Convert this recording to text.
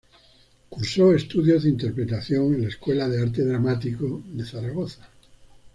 Cursó estudios de interpretación en la Escuela de Arte Dramático de Zaragoza.